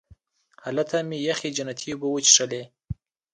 هلته مې یخې جنتي اوبه وڅښلې.